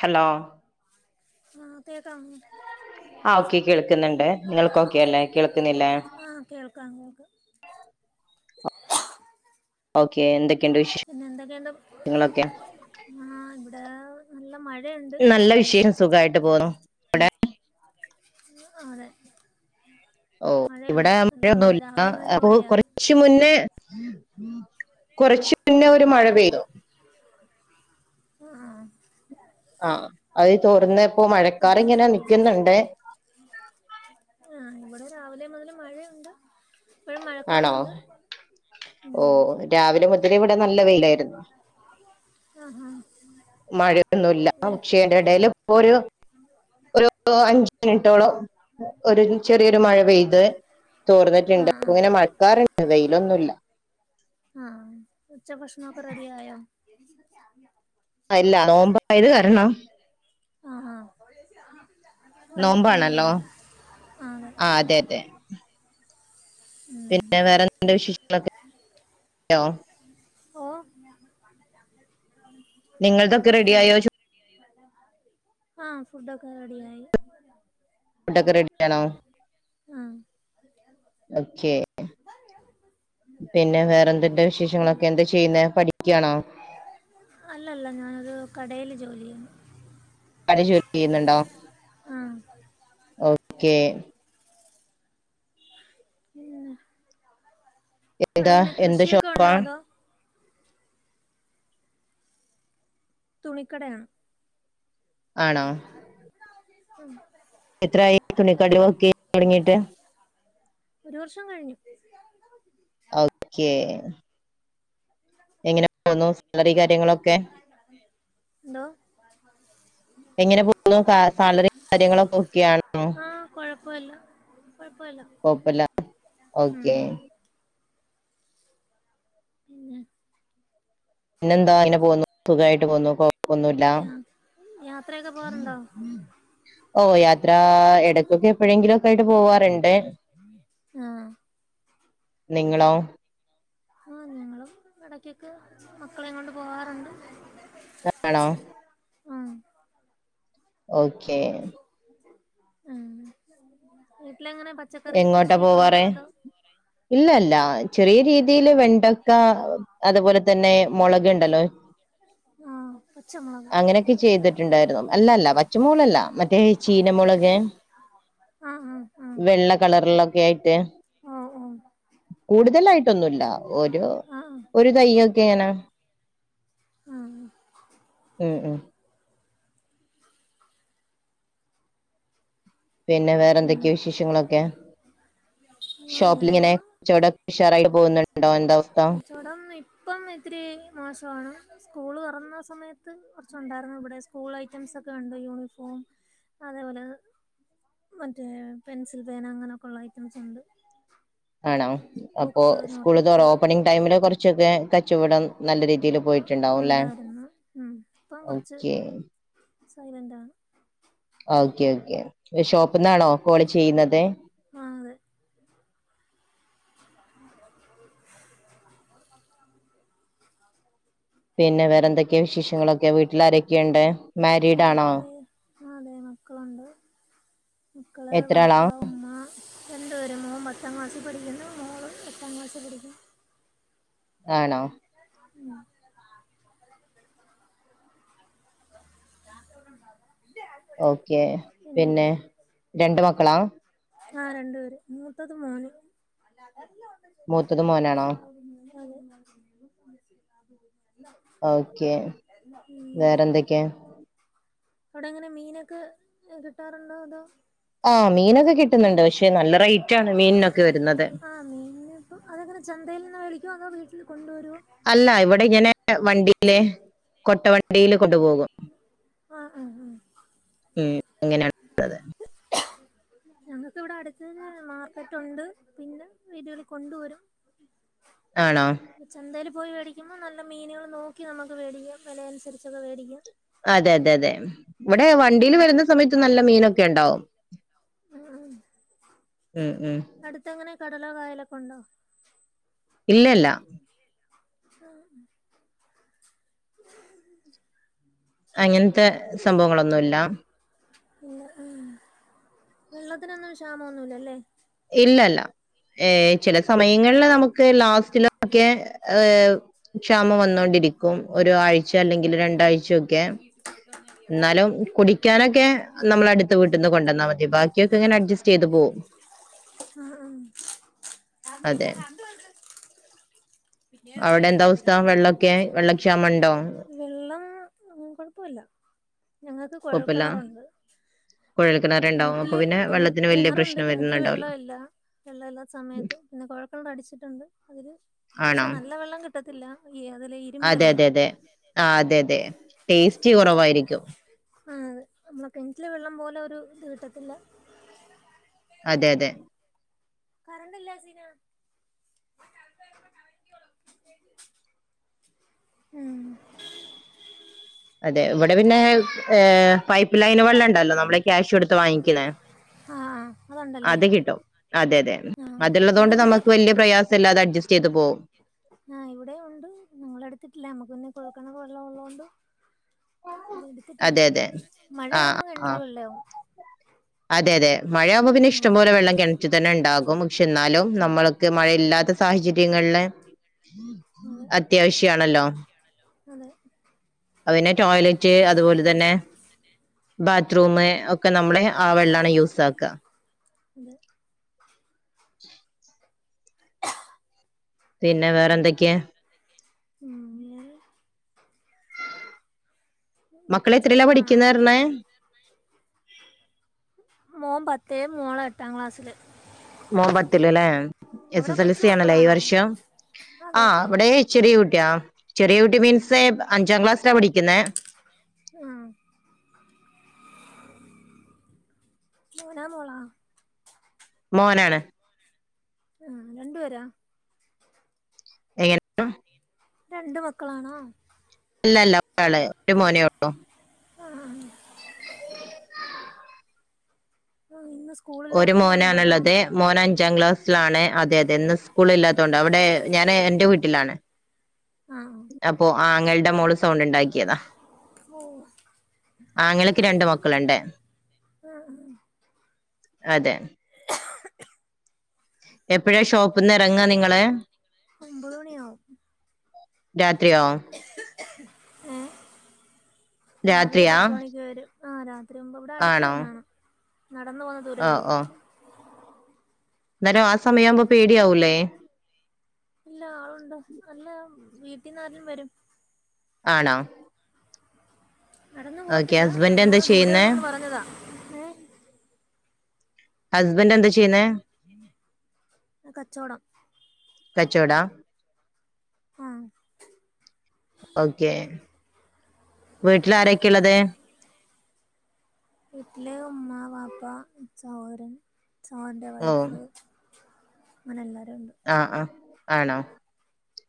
Hello ആഹ് ആ okay കേൾക്ക്‌ന്ന്ണ്ട് നിങ്ങൾക്ക് ഒക്കെ അല്ലേ കേൾക്കുന്നില്ലെ കങ്ങക്ക് ഓക്കെ എന്ത്ക്കെ പിന്നെ എന്തൊക്കെയൊണ്ട് ആ ഇവിടെ നല്ല മഴയുണ്ട് നല്ല വിഷയം സുഖായിട്ട് പോന്നു വ്ടെ ആണെ ഓ ഇവ്ടെ മഴയൊന്നുല്ല രാവിലെ മുതലേ അപ്പൊ മഴയാ കുറച്ച് മുന്നേ കൊറച്ചു മുന്നേ ഒരു മഴ ആ പെയ്തു ആ ആ അത് തോർന്ന് ഇപ്പൊ മഴക്കാറ് ഇങ്ങനെ നിക്കുന്നൊണ്ട് ആഹ് ഇവിടെ രാവിലെ മുതൽ മഴ ഒണ്ട് ഇപ്പഴും ആണോ മഴക്കാറൊണ്ട് ഓ രാവിലെ മുതലേ ഇവിടെ നല്ല വെയിലായി ആഹ് ഹാ ഹാ മഴയൊന്നുല്ല പക്ഷേ അയ്ന്റെ എടെൽ ഇപ്പം ഒരു ഒരു അഞ്ച് മിനിറ്റോളം ഒരു ചെറിയൊരു മഴ മഴ പെയ്ത് ആ തോർന്നിട്ടിണ്ട് ആ അപ്പ ഇങ്ങനെ മഴക്കാറ്ണ്ട് വെയിലൊന്നുല്ല ആഹ് ഉച്ച ഭക്ഷണം ഒക്കെ റെഡിയായോ അല്ല നോമ്പയത് കാരണം ആ ആ വൈകിട്ടാണ് നോമ്പാണല്ലോ കഴിക്കുന്നത് ആ അതെ അതെ ഉം. പിന്നെ വേറെന്ത്ണ്ട് വിശേഷങ്ങളൊക്കെ യൊ ഓ നിങ്ങൾതൊക്കെ റെഡി അല്ലേ ആയോ ചോറ് ആഹ് ഫുഡൊക്കെ റെഡി ആയി ഫുഡൊക്കെ റെഡിയാണോ ആഹ് ഓക്കെ പിന്നെ വേറെ എന്ത്ണ്ട് വിശേഷങ്ങളൊക്കെ എന്താ ചെയ്യുന്നെ പഠിക്കയാണോ അല്ലല്ല ഞാനരു കടെല് ജോലി ചെയ്യുന്നു അവര് ജോലി ചെയ്യ്ന്ന്ണ്ടോ ആഹ് ഓക്കെ ഉം എന്താ എന്ത് ഉണ്ടോ ഷോപ്പാ അതോ തുണിക്കടയാണ് ആണോ ഉം എത്രായി തുണിക്കട നോക്കി തുടങ്ങിട്ട് ഒരു വർഷം കഴിഞ്ഞു ഓക്കെ എങ്ങനെ പോന്നു സാലറി കാര്യങ്ങളൊക്കെ എന്തോ എങ്ങനെ പോകുന്നു കാ സാലറി കാര്യങ്ങളൊക്കെ ഒക്കെ യാണോ വല കൊഴപ്പല്ല ഉം ഓക്കെ പിന്നെ പിന്നെന്താ അങ്ങനെ പോന്നു സുഖമായിട്ട് പോന്നു ഒന്നുമില്ല യാ യാത്രയൊക്കെ പോവാറുണ്ടോ ഓ യാത്രാ ഇടക്കൊക്കെ എപ്പോഴെങ്കിലും ഒക്കെ ആയിട്ട് പോവാറുണ്ട് ആഹ് നിങ്ങളോ ആ ഞങ്ങളും ഇടക്കൊക്ക് മക്കളെ കൊണ്ട് പോവാറുണ്ട് ആണോ ആഹ് ഓക്കേ ആഹ് വീട്ടിലെങ്ങനെ പച്ചക്കറി എങ്ങോട്ടാ കൃഷിയൊക്കെ ഉണ്ടോ പോവാറ് അതോ ഇല്ല ഇല്ല ചെറിയ രീതിൽ വെണ്ടക്ക അതുപോലെ തന്നെ മുളക്ണ്ടല്ലോ ആഹ് പച്ചമുളക് അങ്ങനെയൊക്കെ ചെയ്തിട്ടുണ്ടായിരുന്നു അല്ലല്ല പച്ചമോളല്ല മറ്റേ ചീന ചീന മുളക് ആഹ് ആഹ് വെള്ള കളറിലൊക്കെ ആയിട്ട് ആഹ് ആഹ് കൂടുതലായിട്ടൊന്നുമല്ല ഒരു ഒരു തയ്യൊക്കെ എങ്ങനെ അ ഉം ഉം പിന്നെ വേറെ പിന്നെ എന്തൊക്കെയോ വിശേഷങ്ങളൊക്കെ അങ്ങനെ ഷോപ്പിങ്ങിനെ പോന്നു കുറച്ചടെ ഉഷാറായിട്ട് പോകുന്നു കച്ചവടം ഇപ്പം ഇത്തിരി- മോശമാണ് സ്കൂൾ തുറന്ന സമയത്ത് കോർച്ചുണ്ടായിരുന്നു ഇവിടെ സ്കൂൾ ഐറ്റംസൊക്കെ ഉണ്ട് യൂണിഫോം അതേപോല മറ്റേ പെൻസിൽ പേന, അങ്ങനോക്കള്ള ഐറ്റംസ് ഉണ്ട്. ആണോ അപ്പോ ബുക്ക് നോട്ട് സ്കൂൾ തോറ, ബുക്ക് ഓപ്പണിങ് ടൈമില് കുറച്ചൊക്കെ കച്ചവടം- നല്ല രീതിയിൽ പോയിട്ടുണ്ടാവുല്ലേ ഉണ്ടായിരുന്നു ഉം ഇപ്പം കുറച്ച് ഓക്കെ സൈലൻ്റാണ് ഓക്കെ ഓക്കെ ഒക്കെ ഷോപ്പ്ന്നാണോ കോൾ ചെയ്യുന്നത് ആ അതെ പിന്നെ വേറെ എന്തൊക്കെ വിശേഷങ്ങളൊക്കെ വീട്ടിലാരൊക്കെയുണ്ട് മാരീഡാണോ ആഹ് അതെ മക്കളുണ്ട് മക്കള് എത്ര ആളാ പാപ്പ ഉമ്മാ രണ്ട് പേര് മോൻ പത്താം -ക്ലാസ്സിൽ പഠിക്കുന്നു മോള് എട്ടാം ക്ലാസ്സിൽ പഠിക്കുന്നു. ആണോ ഓക്കെ പിന്നെ രണ്ട് മക്കളാ. ആഹ് രണ്ട് പേര്, മൂത്തത് മോന്. [inaudible] മൂത്തത് മോനാണോ ഓക്കെ വേറെന്തൊക്കെയാ അവ്ടെ എങ്ങനെ മീനൊക്കെ കിട്ടാറുണ്ടോ? അതോ, ആഹ് മീനൊക്കെ കിട്ടുന്ന്ണ്ട്, പക്ഷെ നല്ല റെയ്റ്റാണ് മീൻനൊക്കെ വെര്ന്നത്. ആ മീന് ഇപ്പം അതെങ്ങനെ ചന്തയിൽ നിന്ന് വിളിക്കും അത് വീട്ടിൽ കൊണ്ടുവരുവോ അല്ല ഇവിടെ ഇങ്ങനെ വണ്ടിയിലെ കൊട്ടവണ്ടിയിലും കൊണ്ടു പോകും ആ ആ ആ ഉം ഇങ്ങനെ [unintelligible] നമ്മുക്ക് ഇവിടെ അടുത്ത് തന്നെ മാർക്കറ്റുണ്ട് പിന്നെ വീടുകളിൽ കൊണ്ട് വരും ആണോ ചന്തേൽ പോയി മേടിക്കുമ്പോൾ നല്ല മീനുകൾ നോക്കി നമുക്ക് മേടിക്കാം വിലയനുസരിച്ചൊക്കെ മേടിക്കാം അതെ അതെ അതെ ഇവിടെ ഉം വണ്ടിൽ വരുന്ന സമയത്ത് നല്ല മീനൊക്കെണ്ടാവും ഉം ഉം ഉം അടുത്തങ്ങനെ കടലോ കായലൊക്കെ ഉണ്ടോ ഇല്ലല്ല ആ അങ്ങനത്തെ സംഭവങ്ങളൊന്നുല്ല പിന്നെ ആ വെള്ളത്തിനൊന്നും ക്ഷാമൊന്നുല്ലല്ലേ ഇല്ല ഏ ചില സമയങ്ങളിൽ നമുക്ക് ലാസ്റ്റിൽ ഒക്കെ ഏ ക്ഷാമം വന്നോണ്ടിരിക്കും ഒരാഴ്ച അല്ലെങ്കിൽ രണ്ടാഴ്ചൊക്കെ ന്നാലും കുടിക്കാനൊക്കെ നമ്മളെ അടുത്ത വീട്ടിന്ന് കൊണ്ടുവന്നാൽ മതി ബാക്കിയൊക്കെ ഇങ്ങനെ അഡ്ജസ്റ്റ് ചെയ്ത് പോകും ആ അതെ അവിടെ എന്താ അവസ്ഥ വെള്ളൊക്കെ വെള്ള വെള്ളം കുഴപ്പില്ല ഞങ്ങൾക്ക് കൊഴൽക്കെണറുണ്ട് കൊഴൽ കിണർ കിണറ്റിൽ കിണ കിണറുണ്ട് കിണറ്റിൽ വരുന്നുണ്ടാവില്ല വെള്ളമില്ല വെള്ളല്ലാത്ത സമയത്ത് പിന്നെ കുഴൽ കിണറ് അടിച്ചിട്ടുണ്ട് അതില് പക്ഷെ ആണോ നല്ല വെള്ളം കിട്ടത്തില്ല [unintelligible] അതെ അതെ അതെ ആ അതെ അതെ ടേസ്റ്റ് കുറവായിരിക്കും ആ അതെ നമ്മളെ കെണറ്റിലെ വെള്ളം പോലെ ഒരു ഇത് കിട്ടത്തില്ല അതെ അതെ കറണ്ട് ഇല്ല സീന ഉം അതെ ഇവിടെ പിന്നെ ഏ പൈപ്പ് ലൈൻ വെള്ളം ഉണ്ടല്ലോ നമ്മളെ ക്യാഷ് എടുത്ത് വാങ്ങിക്കുന്ന ആ ആ അതുണ്ടല്ലേ അത് കിട്ടും അതെ അതെ ആ അത്ള്ളതു കൊണ്ട് അതിവിടെ നമുക്ക് വല്യ പ്രയാസല്ലാതെ അഡ്ജസ്റ്റ് ചെയ്ത് പോവും ആ ഇവിടെ ഉണ്ട് ഞങ്ങളെടുത്തിട്ടില്ല നമ്മുക്ക്ന്നെ കൊഴൽക്കെണർ വെള്ളം ഉള്ളോണ്ട് അതെടുത്തിട്ടില്ല അതെ അതെ ആ മഴയാവുമ്പോ ആ കണറ്റില് വെള്ളയാവും അതെ അതെ മഴയാകുമ്പോൾ പിന്നെ ഇഷ്ടംപോലെ വെള്ളം കിണറ്റ് തന്നെ ഉണ്ടാകും പക്ഷെ ന്നാലും നമ്മൾക്ക് മഴയില്ലാത്ത സാഹചര്യങ്ങളില് അതെ അത്യാവശ്യ ആണല്ലോ അതെ അത്പിന്നെ ടോയ്ലറ്റ് അതുപോലെ തന്നെ ബാത്റൂം ഒക്കെ നമ്മളെ ആ വെള്ളാണ് യൂസാക്ക അതെ പിന്നെ വേറെ എന്തൊക്കെയാ ഉം [unintelligible] മക്കള് എത്രയിലാ പഠിക്കുന്നെ പറഞ്ഞേ മേ മോളോ എട്ടാം ക്ലാസ്സിൽ മോൻപത്തിലല്ലെ എസ് അവിടെ എസ് എൽ കൊച്ചു സി ആണല്ലേ ഈ മക്കളാണോ വർഷം ആ അതെ അവിടെ ഇച്ചെറിയ ചെറിയ കുട്ടി മീൻസ് അഞ്ചാം ക്ലാസ്സിലാ പഠിക്കുന്നേ ഉം മോനാ മോളാ മോനാണ് ആഹ രണ്ടുപേരാ എങ്ങനെ രണ്ട് മക്കളാണോ അല്ലല്ല ഒരാളെ ഒരു മോനെോള്ളൂ ആഹ് ആ ഇ ഒരു മോനാണുള്ളത് മോന അഞ്ചാം ക്ലാസ്സിലാണ് അതെ അതെ ഇന്ന് സ്കൂളില്ലാത്ത അവിടെ ഞാന് എന്റെ വീട്ടിലാണ് ആഹ് അപ്പൊ ആങ്ങളുടെ മോള് സൗണ്ട് ഉണ്ടാക്കിയതാ ഓഹ് ആങ്ങളക്ക് രണ്ട് മക്കളുണ്ട് ആഹ ഉ അതെ എപ്പോഴാ ഷോപ്പന്ന് ഇറങ്ങാ നിങ്ങള് ഒമ്പത് മണിയവും രാത്രിയാ ഏഹ രാവിലെ രാത്രിയാ പത്തുമണിക്ക് വരും ആ രാത്രി [unintelligible] ഇവിടെ അടുത്ത് ആണോ തന്നാണ് നടന്ന പോന്ന ദൂരേ ഓ ഉള്ളു ഓ അന്നേരം ആ സമയയാവുമ്പോ പേടിയാവൂല്ലേ ഇല്ല ആളുണ്ട് അല്ല വീട്ടന്നാരും വരും ആണോ നടന്നു ഓക്കെ പോവത്തില്ല ഹസ്ബൻഡ് നടന്ന എന്താ പോന്ന് ദൂരേ ചെയ്യുന്നേ ഉള്ളൂന്ന് പറഞ്ഞതാ ഏ ഹസ്ബൻന്താ ചെയ്യുന്നേ കച്ചോടം കച്ചോടാ ആഹ് ഓക്കെ വീട്ടിൽ ആരൊക്കെയള്ളത് വീട്ടില് ഉമ്മ വാപ്പ സഹോദരൻ സഹോദരൻ്റെ ഓ വൈഫ് അനല്ല ആ ആ ആണോ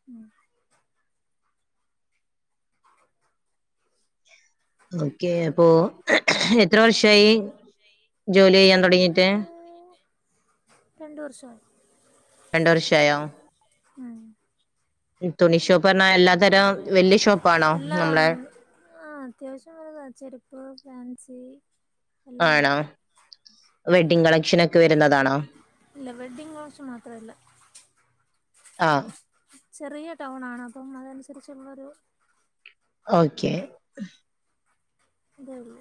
ഉം ഓക്കെ അപ്പോ എത്ര വർഷമായി ജോലി ചെയ്യാൻ തൊടങ്ങിട്ട് രണ്ട് വർഷയി രണ്ട് വർഷായോ ഉം തുണി ഷോപ്പ് പറഞ്ഞാ എല്ലാ തരം വല്യ ഷോപ്പാണോ നമ്മളെ ആഹ അത്യാവശ്യം വലുതാ ചെരുപ്പ് ഫാൻസി എല്ലാം ഉണ്ട് ആണോ വെഡ്ഡിങ് കളക്ഷൻ ഒക്കെ വരുന്നതാണോ ഇല്ല വെഡ്ഡിങ് കളക്ഷൻ മാത്രല്ല ആഹ ചെറിയ ടൗൺ ആണ് അപ്പം അതനുസരിച്ചുള്ളൊരു ഓക്കെ ഇതള്ളു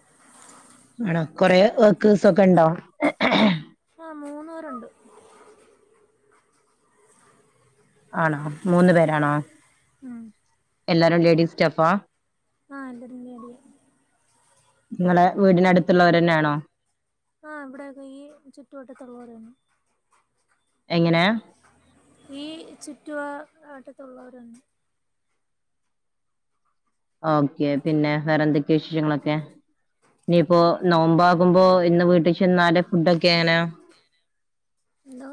ആണോ കൊറെ വർക്കേ്സ് ഒക്കെ ഉണ്ടോ മൂന്ന് പേർണ്ട് ആണോ മൂന്ന് പേരാണോ ഉം എല്ലാരും ലേഡീസ് സ്റ്റാഫാ ആ എല്ലാരും ലേഡി നിങ്ങളെ വീടിന അടുത്തുള്ളവരെന്നെയാണോ ആഹ് ഇവിടെയൊക്കെ ഈ ചുറ്റുവട്ടത്തുള്ളോരേന്നെ എങ്ങനെയാ ഈ ചുറ്റുവട്ടത് ഉള്ളോരണ് ഓക്കെ പിന്നെ വേറെ എന്തൊക്കെയ വിശേഷങ്ങളൊക്കെ ഇനിയിപ്പോ നോമ്പ് ആകുമ്പോ ഇന്ന് വീട്ടിൽ ചെന്നാലും ഫുഡ്‌ ഒക്കെ എങ്ങനെയാ ഹലോ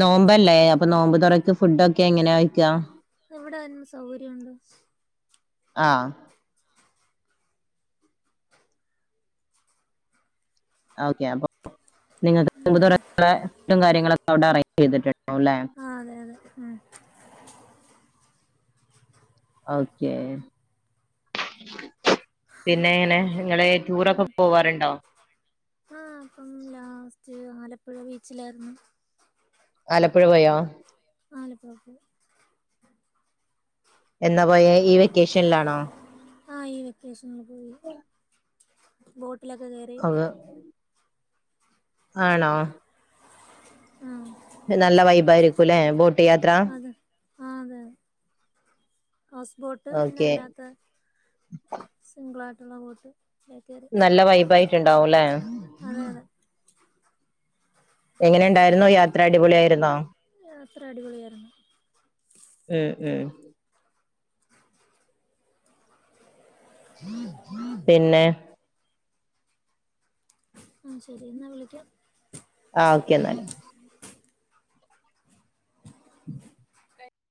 നോമ്പല്ലേ അപ്പൊ നോമ്പുതുറക്ക് ഫുഡൊക്കെ എങ്ങനെയഴ്ക്കാ- ഇവിടെ അതിനെ സൗകര്യണ്ട് ആഹ് ഓക്കെ അപ്പ നിങ്ങക്ക് ഇമ്പ് തുറ ഫുഡും കാര്യങ്ങളൊക്കെ അവിടെ അറേഞ്ച് ചെയ്തിട്ടുണ്ട് ആഹ് അതെ അതെ ഉം ഓക്കെ [unintelligible] പിന്നെ ഇങ്ങനെ നിങ്ങളെ ടൂറൊക്കെ പോവാറുണ്ടോ ആഹ് അപ്പം ലാസ്റ്റ് ആലപ്പുഴ ബീച്ചിലായിരുന്നു ആലപ്പുഴ പോയോ ആലപ്പുഴ പോയി എന്നാ പോയ ഈ വെക്കേഷനിലാണോ ആഹ് ഈ വെക്കേഷനിൽ പോയി ബോട്ടിലൊക്കെ കേറി അത് ആണോ ഉം നല്ല വൈബായിരിക്കുംല്ലെ ബോട്ട അതെ ആ അതെ അതെ ഹൗസ് ബോട്ട് പിന്നെ ഓക്കെ അല്ലാത്ത സിംഗിളായിട്ടുള്ള ബോട്ട് കയറി നല്ല വൈബ് ആയിട്ടുണ്ടാവുല്ലേ അതെ അതെ എങ്ങനെണ്ടായിരുന്നു യാത്ര അടിപൊളിആയിരുന്നോ യാത്ര അടിപൊളിയായിരുന്നു ഉം ഉം പിന്നെ ആഹ് ശരി എന്നാ വിളിക്കാം ആഹ് ഓക്കെ എന്നാല് [inaudible]